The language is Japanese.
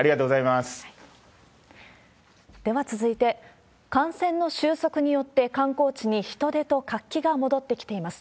では続いて、感染の収束によって、観光地に人出と活気が戻ってきています。